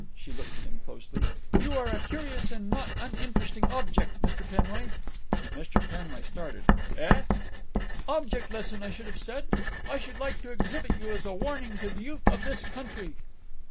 She looked at him closely. "You are a curious and not uninteresting object, Mr. Penway." Mr. Penway started. "Eh?" "Object lesson, I should have said. I should like to exhibit you as a warning to the youth of this country."